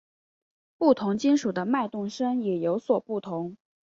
不同金属的脉动声也有所不同。